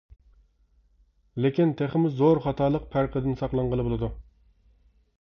لېكىن تېخىمۇ زور خاتالىق پەرقىدىن ساقلانغىلى بولىدۇ.